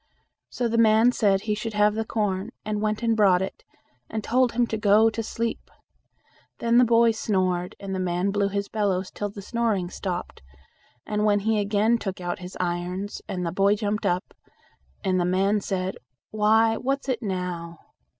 So the man said he should have the corn, and went and brought it, and told him to go to sleep. Then the boy snored, and the man blew his bellows till the snoring stopped, when he again took out his irons, and the boy jumped up, and the man said, "Why, what's it now?"